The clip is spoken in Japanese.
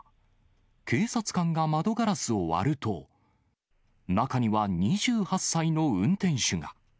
警察官が窓ガラスを割ると、中には２８歳の運転手が。